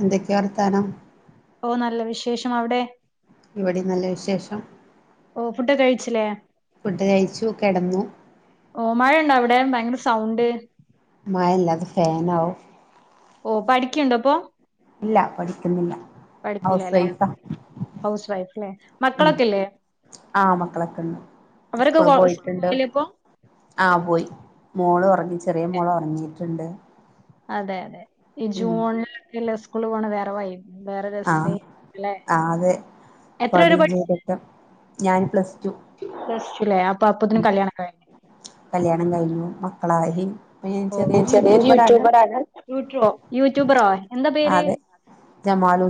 എന്തൊക്കെയ വർത്താനം ഓ നല്ല വിശേഷം അവിടെ ഇവിടെ നല്ല വിശേഷം ഓ ഫുഡക്കെ കഴിച്ചില്ലേ ഫുഡ് കയിച്ചു കെടന്നു ഓ മഴയുണ്ട അവിടെ ഭയങ്കര സൗണ്ട് മയല്ലത് ഫേനാവും ഓ പഠിക്കണ്ടോ ഇപ്പൊ ഇല്ല പഠിക്കുന്നില്ല പഠിക്കില്ല ഹൗസ് ലേ വൈഫാ ഹൗസ് വൈഫ് ലേ ഉം മക്കളൊക്കെല്ലേ ആ മക്കളൊക്കെണ്ട്. സ്കൂള് സ്കൂൾ പോയിട്ടുണ്ട് പോയല്ലേ ഇപ്പൊ ആ പോയി മോളൊറങ്ങി ചെറിയ മോളൊറങ്ങിട്ടുണ്ട്. അതെ അതെ ഈ ജൂണിലൊക്കല്ലെ സ്കൂള് പോണത് വേറെ വൈ ആ ആ അതെ എത്ര [unintelligible] ഞാൻ പ്ലസ്ടു [unintelligible] ജുലൈ അ കല്യാണം കഴിഞ്ഞു. മക്കളായി ഓ ചെറിയൊരു യൂട്യൂബറാണ്, [unintelligible] യൂട്യൂബറോ എന്താ പേര്? ജെമാലൂ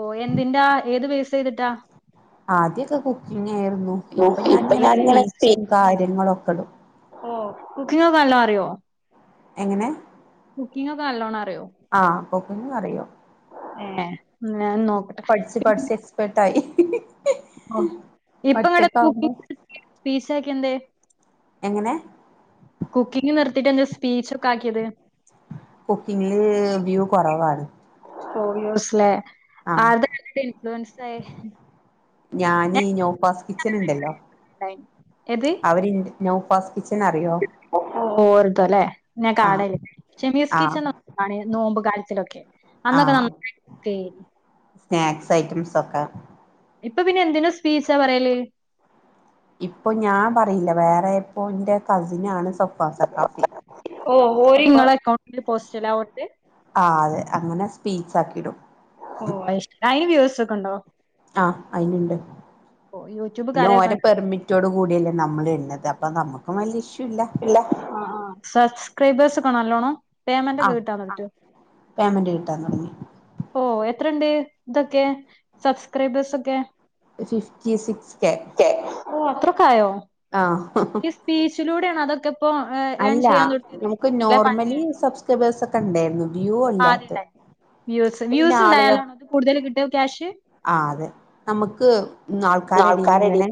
ഓ എന്തിൻ്റാ ഏത് ബേസ് ചെയ്തിട്ടാ ആദ്യൊക്കെ കുക്കിങ്ങായിരുന്നു ഇപ്പൊ ഞാനിങ്ങനെ സ്പീച്ചും കാര്യങ്ങളൊക്കെടും. ഓ കുക്കിംഗ് ഒക്കെ നല്ലൊറിയോ എങ്ങനെ കുക്കിംഗ് ഒക്കെ നല്ലോണ ആ കുക്കിങ് അറിയും. ഏ ഞാൻ നോക്കട്ടെ പഠിച്ച് പഠിച്ച് പിന്നെ എക്സ്പേർട്ട് ആയി ഓ ഇപ്പ ഒറ്റക്കാവുമ്പോ [unintelligible] എങ്ങനെ കുക്കിംഗ് നിർത്തിയിട്ട് ന്താ സ്പീച്ച് ഒക്കെ ആക്കിയത് കുക്കിങ്ങില് വ്യൂ കൊറവാണ് ഓ യൂസ്ല ആരടെ കണ്ടട്ട് ഇൻഫ്ലൂയൻസ് ആയേ ഞാൻ നോഫാസ് കിച്ചൻണ്ടല്ലോ, ഉണ്ടായിന് അവര് ൻ്റെ നോഫാസ് ഓർത്തോല്ലേ ഞാൻ ആഹ് കാടല്ലേ ഷെമീസ് ആഹ് കിച്ചൺ [unintelligible] നോമ്പ് കാര്യത്തിലൊക്കെ അന്നൊക്കെ ആഹ് നന്നായിക്ക സ്നാക്സ് ഐറ്റംസക്കെ ഇപ്പൊ പിന്നെ എന്തിന്റെ സ്പീച്ചാ പറയല് ഇപ്പൊ ഞാൻ പറയില്ല വേറെ എപ്പോ ന്റെ കസിനാണ് [unintelligible] ഓഹ് ഓര് അപ്പൊ നിങ്ങളെ അക്കൗണ്ടിൽ പോസ്റ്റലാ ഓർത്ത് ആ അതെ അങ്ങനെ സ്പീച്ച് ആക്കിയിടും ഓ അയിന് വ്യൂസൊക്കെണ്ടോ. ആ അയിന്ണ്ട് യൂട്യൂബ് പിന്നെ കാരൊക്കെ ഓരോ പെർമിറ്റോട് കൂടിയല്ലേ നമ്മൾ ഇടണത് അപ്പം നമക്കും വല്യ ഇഷ് ആ ആ സബ്സ്ക്രൈബേഴ്സ്, കാണല്ലോണോ പേയ്മെന്റ് ഒക്കെ കിട്ടാ പറ്റോ മന്റ് കിട്ടാൻ തൊടങ്ങി ഓ എത്രണ്ട് ഇതൊക്കെ സബ്സ്ക്രൈബേഴ്സക്കെ ഫിഫ്റ്റി സിക്സ് കേ ഓ അത്രൊക്കെ ആയോ ഈ സ്പീച്ചിലൂടെയാണ്, അതൊക്കെ ഇപ്പോ ഏൺ അല്ല ചെയ്യാൻ തുടങ്ങിയത് നമുക്ക് അല്ലെ പണ്ടേ നോർമലി ഉണ്ടോ സബ്സ്ക്രൈബേഴ്സ് ഒക്കെ ണ്ടായിരുന്നു വ്യൂ ആദ്യം അല്ലാത്ത ഉണ്ടായി വ്യൂസ്, അപ്പൊ പിന്നെ വ്യൂസ് ആളുക ഉണ്ടായാലോണോ കൂടുതൽ കിട്ട ക്യാഷ് ആ അതെ നമ്മുക്ക് ആൾക്കാരെ എടന്ന് ആൾക്കാരെടി ഇങ്ങനെ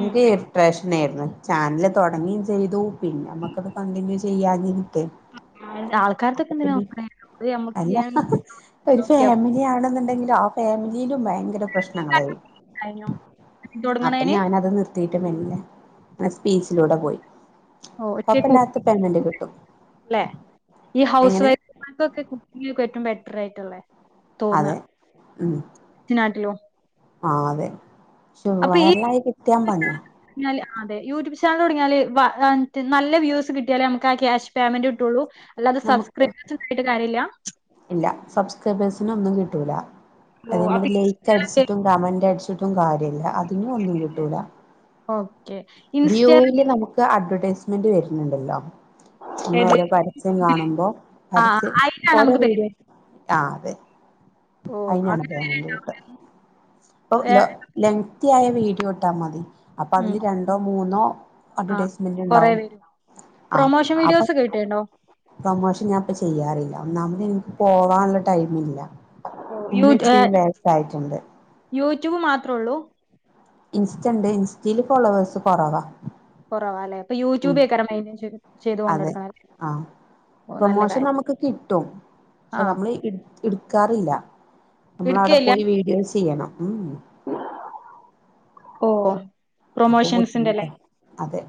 ഉം ഇറിട്രേഷന ആയിരുന്നു ചാനല് തുടങ്ങിയയും ചെയ്തു പിന്നെ നമ്മുക്കത് കണ്ടിന്യൂ ചെയ്യാഞ്ഞ കിട്ടെ ആൾക്കാരത്തൊക്കെ അപ്പൊ എന്തിനാ പിന്നെ നോക്കണേ അത് നമ്മക്ക് അല്ല ഏൺ ഒരു നോക്കിയ ഫാമിലി ആണെന്നണ്ടെങ്കില് ആ ഫാമിലിയിലും ഭയങ്കര പ്രശ്നങ്ങളായി കഴിഞ്ഞോ അപ്പൊ തുടങ്ങണേന് ഞാനത് നിർത്തിയിട്ടും മെല്ലേ ആ സ്പീച്ചിലൂടെ പോയി ഓ പക്ഷെ കുക്കിംഗ് കൊയപ്പല്ലാത്തപേയ്മെന്റ് കിട്ടും അല്ലെ ഈ ഹൗസ് എങ്ങനെ വൈഫമാർക്കൊക്കെ കുക്കിങ്ങിലക്ക ഏറ്റ ബെറ്റർയിട്ടല്ലേ അതെ ഉം ലോ ആ അതെവയറലായി കിട്ട്യാ [unintelligible] ഞ്ഞാല് അതെ യൂട്യൂബ് ചാനൽ തുടങ്ങിയാല് നല്ല വ്യൂസ് കിട്ടിയാലേ നമുക്ക് ആ ക്യാഷ് പേയ്മെന്റ് കിട്ടയുള്ളൂ അല്ലാതെ സബ്സ് നമുക്ക് [unintelligible] ആയിട്ട് കാര്യില്ല [unintelligible] അത ലൈക്ക് അടിച്ചിട്ടും കമന്റ്ടും [unintelligible] ട്ടും കാര്യല്ല അതിന ഒന്നും കിട്ടൂല ഓക്കെ ഇൻസ്റ്റ വ്യൂൽ നമുക്ക് അഡ്വെർടൈസ്മെന്റ് വരുന്നുണ്ടല്ലോ നമ്മൾ ഏത് ഓരോ പരസ്യം കാണുമ്പോ ആ പരസ്യം അയിലാണ് ഓരോ നമുക്ക് പേ വീഡിയോ ആ അതെ ഓ അങ്ങനെ വരെ [unintelligible] വീഡിയോ ട്ടാൽ മതി അപ്പൊ ഉം അതില് ര മൂന്നോ ആ അഡവർൈസ്മെന്റ് കൊറെ ഉണ്ടാവും വരും ആ പ്രൊമോഷൻ അപ്പൊ വീഡിയോസ് ഒക്കെ കിട്ടേണ്ടോ പ്രൊമോഷൻ ഞാൻപ്പ ചെയ്യാറില്ല ഒന്നാമതെ എനിക്ക് പോവോ ടൈമില്ല യൂ [unintelligible] യൂട്യൂബ് മാത്രേ ഉള്ളൂ ഇൻസ്റ്റണ്ട് ഇൻസ്റ്റൽ ഫോളോവേഴ്സ് കുറവാ കുറവാല്ലേപ്പൊ ഉം യൂട്യൂബക്ക [unintelligible] ചെയ്ത് അതെ കൊണ്ടണല്ലേ ആ പ്രൊമോഷൻ നമുക്ക് കിട്ടും ആ പക്ഷെ നമ്മള് എടുക്കാറില്ല നമ്മൾ അവിടെ എടുക്കയില്ല പോയി വീഡിയോസ് ചെയ്യണം ഉം ഓ അപ്പൊ പ്രൊമോഷൻസിന്റല്ല ബുദ്ധിമുട്ടാ അതെ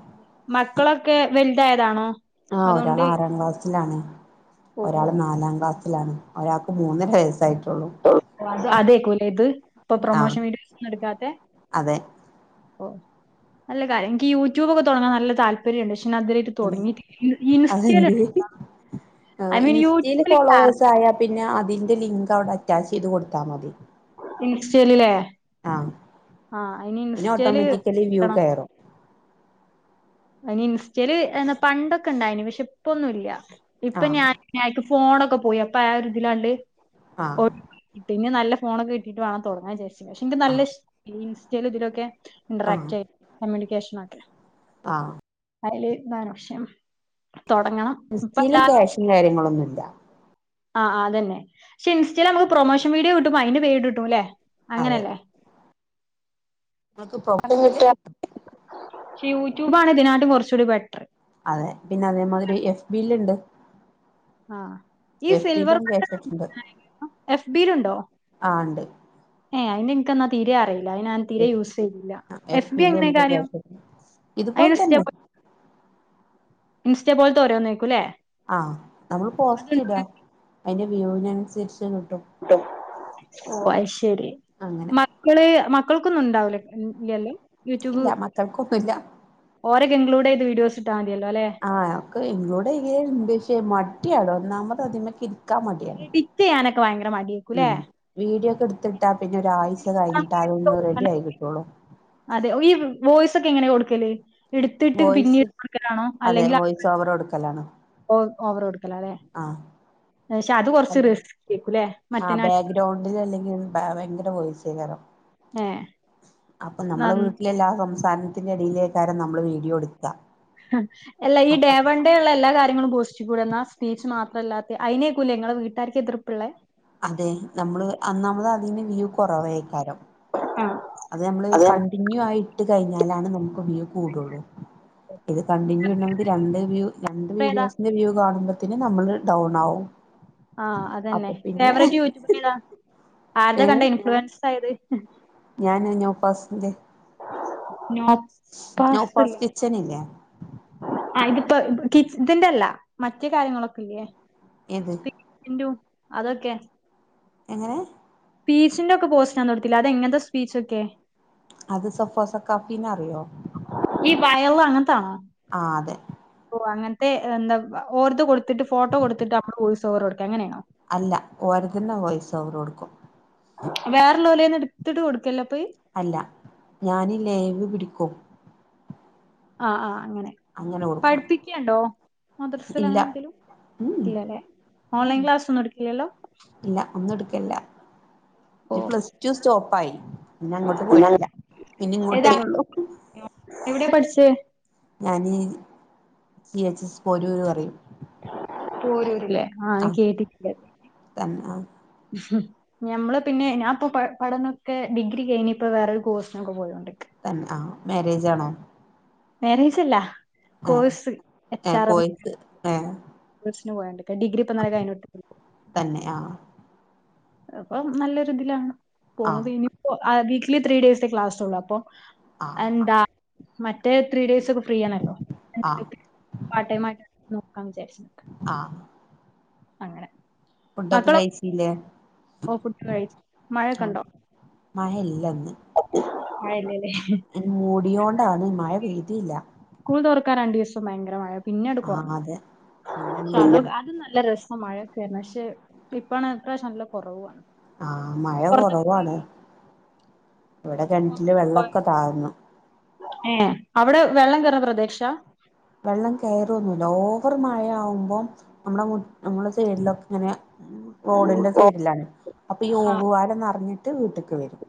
മക്കളൊക്കെ വലുത ആഹ് ഒരാൾ ആറാം ക്ലാസ്സിലാണ് ഓ ഓ ഒരാൾ നാലാം ക്ലാസ് ലാണ് ഒരാൾക്ക് മൂന്നര വയസ്സായിട്ട് [inaudible] അതക്കൂല്ല ഇത് ഇപ്പൊ ആഹ് പ്രൊമോഷൻ വീഡിയോസ് ഒും എടുക്കാ അതെ ഓ നല്ല കാര്യം എനിക്ക് യൂട്യൂബ് ഒക്കെ തുടങ്ങാൻ നല്ല താല്പര്യംുണ്ട് അതിലായിട്ട് പിന്നെ തുടങ്ങിട്ടില്ല ഇൻസ്റ്റ അതെന്ത് ഇൻസ്റ്റയിൽ ഫോളോവേഴ്സ് ആയാൽ പിന്നെ അതിന്റെ ലിങ്ക് അവിടെ അറ്റാച്ച് ചെയ്ത് കൊടുത്താൽ മതി ഇൻസ്റ്റലിലേ ആഹ് ആഹ ഇനി പിന്നെ ഇൻസ്റ്റല് ഓട്ടോമാറ്റിക്കലി വ്യൂ കണം കയറും ഇ ഇൻസ്റ്റൽ പണ്ടൊക്കെ ഇണ്ടായിന് പക്ഷെ ഇപ്പൊന്നുമല്ല ഇപ്പൊ ആഹ് ഞാൻ [unintelligible] ഫോണൊക്കെ പോയി അപ്പൊ ആ ഇതിലാണ്ട് ആഹ [unintelligible] നല്ല ഫോൺ കിട്ടീട്ട് വേണം [unintelligible] നല്ല ആഹ് [unintelligible] ഇന്ററാക്ട്യ കമ്മ്യൂണിക്കേഷന ഒക്കെ ആഹ അതില്ന്താനഷം ഇൻസ്റ്റയിൽ ക്യാഷും കാര്യങ്ങളൊന്നുമല്ല ആ് അതന്നെ പെ ഇസ്റ്റൽ നമുക്ക് പ്രൊമോഷൻ വീഡിയോ കിട്ടുമ്പോ അതിന്റെ പേര് കട്ടും അല്ലേ അങ്ങനെല്ലേ നങ്ങക്ക് പോകണെങ്കിലേ കിട്ടും പക്ഷ യൂട്യൂബാണ് ഇതിനട്ടും കുറച്ചുകൂടി ബെറ്റർ അതെ പിന്നെ അതേമാതിരി എഫ് ബിൽുണ്ട് ആ ഈ എഫ് സിൽവർ പിയിലും ബട്ടൺ കേണ്ട് എഫ് ബിയിലുണ്ടോ ആണ്ട് ഏ അയിന്റെ എനക്ക് എന്നാ തീരെ അറിയില്ല അയിന് ൻ തീരെ യൂസ് ചെയ്തില്ല എഫ് എഫ്ബി ബിയില് എങ്ങനെ നമുക്ക് കാര്യോ ക്യാഷ് ഇതുപോലെ തന്നെ ഇൻസ്റ്റആ പോലത്തെ ഓരോന്ന നക്കൂല്ലേ ആഹ് നമ്മൾ പോസ്റ്റ് ഇട അതിന്റെ വ്യൂവിനനുസരിച്ച് ഓ അയ് ശരി അങ്ങനെ മക്കളെ മക് മക്കൾക്കൊന്നും ഉണ്ടാവില്ല ഇല്ല ഇല്ല മക്കൾക്കൊന്നുംല്ല ഒരു ഇൻക്ലൂഡ് ചെയ്ത് വീഡിയോസ് ഇടാൻ എന്നോട് ചെയ്യാറുണ്ട് മടി അന്ന് എഡിറ്റ് ചെയ്യാനൊക്കെ ഭയങ്കര [unintelligible] മടിയേക്കൂല്ലേ മം വീഡിയോ ഓക എടുത്ത് ഇട്ട പിന്നെ ഒരാഴ്ച കഴിഞ്ഞിട്ടാ അതൊന്ന് റെഡി ആയി കിട്ടോള്ളു. [unintelligible] ക്കെങ്ങനെ കൊടുക്കല്ലേ. ഇടുത്തിട്ട് പിന്നീട് കൊടുക്കലാണോ അതെ അല്ലെങ്കിൽ വോയിസ് ഓവർ കൊടുക്കലാണ് [unintelligible] ലലെ ആഹ് പഷേ അത് കൊറച്ച് റിസ്ക്കെക്കുലെ മറ്റെ [unintelligible] വോയിസെക്കാരം അപ്പൊ നമ്മളെ നന്ന വീട്ടില എല്ലാ [unintelligible] ത്താനത്തിൻ്റെ എടെലെക്കാരം നമ്മൾ വീഡിയോ എടു [inaudible] എല്ല ഈ ഡേ വൺ ഡേ ള്ള എല്ലാ കര്യ പോസ്റ്റിക്കൂടെന്നാ സ്പീച്ച് മാത്രല്ലാതെ അയ്നേക്കുംല്ലെ ഇങ്ങളെ വീട്ടാർക്ക് എതിർപ്പ്‌ള്ളേ. അതെ നമ്മള് അന്നാമത് അതിന്ന് വ്യൂ കുറവേക്കാരം. ആഹ് അത് നമ്മളൊരു അതെ കണ്ടിന്യൂ ആയി ഇട്ട് കഴിഞ്ഞാലാണ് നമുക്ക് വ്യൂ കൂടോള്ളു. ഇത് കണ്ടിന്യൂ അഭിപ്രായം വ്യൂ രണ്ട് ഏതാ വീഡിയോസിന്റെ വ്യൂ കാണുമ്പോ ത്തിന് നമ്മള് ഡൗൺ ആവും. ആ അതന്നെ അപ്പൊ പിന്നെ ഫേവററ്റ് യൂട്യൂബറേന്താ ആരത കണ്ട ഇൻഫ്ലുവൻസ് ആയത്? ഞാന് [unintelligible] പാസ്സിന്റെ. നോ [unintelligible] നൗഫാസ് ല്ലെ കിച്ചൻ ഇല്ലേ അ ഇത് [inaudible] കിച്ച് ഇതിന്റെ അല്ല മറ്റേ കാര്യങ്ങളൊക്കെ ഇല്ലേ ഏത് സ്പീക്കിന്റോം അതൊക്കെ. എങ്ങനെ? സ്പീച്ചിന്റെ ക്കെ പോസ്റ്റ്‌ അന്ന് കൊടുത്തിലെ അതെങ്ങൻത്തെ സ്പീച്ചൊക്കെ? അത് സഫോസ കാഫി നെ അറിയോ? ഈ വയള് അങ്ങൻത്താണോ ആ അതെ ഓ അങ്ങനത്തെ എന്താ ഓർത്ത കൊട് കൊടുത്തിട്ട് ഫോട്ടോ കൊടുത്തിട്ട് വോയിസൊവർ കൊടുക്ക അ ങ്ങനെണോ? അല്ല ഓര് തന്നെ വോയിസ് ഓവർ കൊടുക്കും വേറെ ലോല്ലനെ ഇട്ത്തിട്ട് കൊടുക്കല്ലെപയ്. അല്ല ഞാന് ലേവ് പിടിക്കും. ആ ആ അങ്ങനെ അങ്ങനെ കൊടുക്കും പഠിപ്പിക്കണ്ടോ മദ്രസൽ ഇല്ല അങ്ങനെ എന്തേലും? ഉം ഇല്ലല്ലേ ഉം ഓൺലൈൻ ക്ലാസ് ഒന്നും എടുക്കില്ലല്ലോ? ഇല്ല ഒന്നും ഇടുക്കലില്ലാ. ഓ പ്ലസ് ടു സ്റ്റോപ്പായി പിന്നെ അങ്ങോട്ട് പോയിട്ടില്ല. പിന്നെ ഏതാ ഇങ്ങോട്ടന്നെ ഒള്ളൂ. എവിടെ പഠിച്ചെ? ഞാന് സി എച്ച് എസ് പോരൂർ പറയും. പോരൂർ ല്ലേ ആ ആഹ് കേട്ടിട്ടില്ല. തന്നെ ആഹ് ഞമ്മള് പിന്നെ ഞാൻ പ്പൊ പഠനംക്കെ ഡിഗ്രി കഴിഞ്ഞ് ഇപ്പോ വേറൊരു കോഴ്സിനൊക്കെ പോയോണ്ട് തൻ ആ മാരേജ് ആണോ? മാരേജ്ല്ലാ ഏഹ് കോഴ്സ് എച്ച് ഏഹ് ആർ എം [inaudible] കോഴ്സ് ഏഹ് [unintelligible] ഡിഗ്രി ഇപ്പന്നാരെ കഴിഞ്ഞിട്ടൊള്ളു? തന്നെ ആഹ് അപ്പം നല്ലൊരു ഇതിലാണ് പോണത് ആഹ് ഇനിപ്പോ വീക്കലി ത്രീ ഡേയ്സിലെ ക്ലാസൊള്ളു അപ്പൊ ആഹ് എന്താ മറ്റേ ത്രീ ഡേസ് തിന്ന് ഫ്രീ ആണല്ലോ ആഹ് [unintelligible] വിചാരിച്ച് നിക്ക ആഹ് അങ്ങനെ ഫുഡൊക്കെ മക്കള് കഴിച്ചില്ലേ ഓ ഫുഡ്‌ കയിച്ച് മഴയൊക്കെണ്ടോ? മഴ ഇല്ലെന്ന് ആ ഇല്ലല്ലേ [inaudible] ൻ മൂടിയോണ്ടാണ് മഴ പെയ്തീല്ലാ. [unintelligible] ക്കാൻ രണ്ട് ദിവസം ഭയങ്കര മഴ പിന്നാട് ആഹ് കൊറഞ്ഞു അതെ പിന്നാണ് മഴയില്ല അത് നല്ല രസ മഴ [unintelligible] ഷേ ഇപ്പാണ് ഇപ്രാവശ്യം നല്ല കൊറവണ്. ആ മഴ കൊറവാണ് വിടെ കിണിറ്റില് പുറത്ത് വെള്ളൊക്കെ താഴ്ന്നു. ഏ അവിടെ വെള്ളം കയറുന്ന പ്രദേശ? വെള്ളം കയറൊന്നുല്ല ഓവർ മഴ ആവു മ്പോം നമ്മടെ മു സൈഡ്ലൊക്ക റോഡിന്റെ സൈഡിലാണ് അപ്പൊ ഈ ആ ഓവുവാലം ന്നറിഞ്ഞിട്ട് വീട്ടക്ക് വരും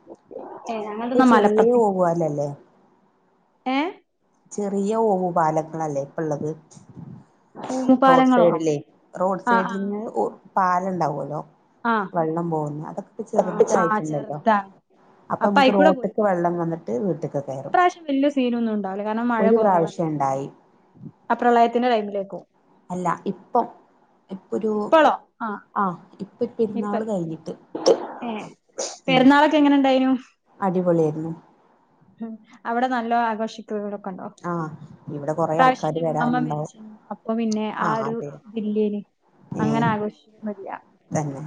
ഏ ഇപ്പൊ ഞങ്ങൾതൊന്നും ചെറിയ മലപ്രദേ ഒവാലല്ലേ ഏ ചെറിയ ഓഹു പാലക്കൾല്ലേ ഇപ്പ ഉള്ളത് റോഡ് പാലങ്ങളോ സൈഡില്ലേ റോഡ് ആ ആ സൈഡിൽ പാലുണ്ടാവല്ലോ ആ വെള്ളം പോകുന്നുഅതൊക്കെ ഇപ്പ ആ ചെറുതായിട്ടുണ്ടല്ലോ ചെറുതാണ് അപ്പൊ നമുക്ക് അയിക്കൂടെ റോട്ടക്ക് പോയിക്കൂടെ വെള്ളം വന്നിട്ട് വീട്ടക്ക് കയറും ഇപ്രാവശ്യം വലിയ സീനൊന്നും ഒരു പ്രാവശ്യം ഉണ്ടായി അപ പ്രളയത്തിന്റെ ടൈമിലേക്കും അല്ല ഇപ്പം ഇപ്പൊരു ആ ഇപ്പിരുന്നാള് ഇപ്പല്ലേ കഴിഞ്ഞിട്ട് ഏ ഉ പെരുന്നാളൊക്കെ എങ്ങനെ ഉണ്ടായിനു അടിപൊളിയ ആയിരുന്നു ഉം അവിടെ നല്ലോ ആഘോഷിക്കും ൊക്കെ ഉണ്ടോ ഇവിടെ കൊറേ ആൾക്കാര് പ്രാവശ്യന്റെ എ്മ്മ വരാനുണ്ടാവും മരിച്ചു അപ്പൊ പിന്നെ ആ ആഹ് ഒരു അതെ ഇല്ലേ നി അങ്ങനെ ഏഹ് ആഘോഷിച്ച മതിയാ തന്നെ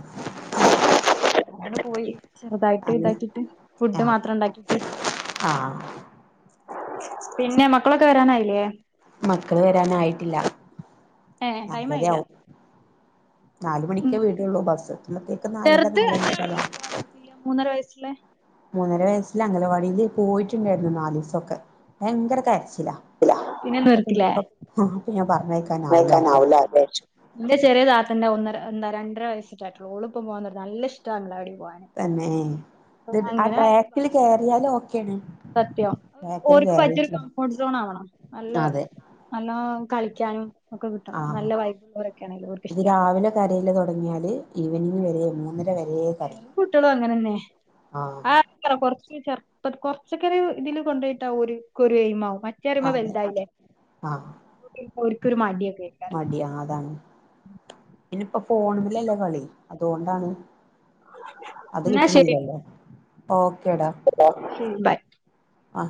പോയി ചെറുതായിട്ട് അങ്ങനെ ഇതാക്കിട്ട് ഫുഡ് ആഹ് മാത്രം ഇണ്ടാക്കിട്ട് ആഹ് പിന്നെ മക്കളൊക്കെ വരാനായില്ലേ മക്കള് വരാനായിട്ടില്ല ഏ ടൈം ആയില്ല നാല്ലരെയവും നാല് മണിക്ക ഉം വീടുള്ളൂ ബസ്സത്തേബേക്ക് നാലര ചെറുത് നാല അങ്ങനെയാ, മണിക്ക മൂന്നര വയസ്സിലെ മൂന്നര വയസ്സിൽ അംഗലവാടിൽ പോയിട്ടുണ്ടായിരുന്നു നാലല് ദിസക്കെ ഭയങ്കര കര അപ്പൊ പിന്നെ ഞ പറഞ്ഞ ന്റെ ചെറിയ താന്റെ ഒന്ന എന്താ രണ്ടര വയ ഇഷട്ട എളുപ്പം പോകുന്നത് നല്ല ഇഷ്ട അഖലാടി തന്നെ ഇ ആ ആയാലും ഭാഗ്യം ട്രാക്കിൽ കേയറിയാലും ഒ സത്യം ഓർക്ക് പറ്റിയരു കേറിയിട്ടില്ല കംഫോർട്ട് സോൺ ആവണം നല്ല അതെ നല്ല കളിക്കാനും ഒക്കെ ആ കിട്ടണം നല്ല വൈബുള്ളവരൊക്കെയാണെങ്കില് ഓർക്ക് ഇത് ഇഷ്ടാ രാവിലെ കരയില് തുടങ്ങിയാല് ഈവനിങ് വരെ മൂന്നര വ വറും കുട്ടികളും അങ്ങനെ തന്നെ ആഹ് ആ കൊറച്ച ചർ ഇപ്പൊ കൊറച്ചക്കറി ഇതില് കൊണ്ടപോയിട്ടാവ ഒരു ഒരു എയ്മാവും മറ്റേ അറിമ്മ അതെ വലുതായില്ലേ ആഹ് അപ്പ ഒരിക്കരു മടിയൊ കേക്കാരം ഇനി ഇപ്പൊ ഫോണില്ലല്ലേ കളി അതുകൊണ്ടാണ് അത് എന്നാ ശരി കിട്ടണില്ലല്ലോ ബൈ ആ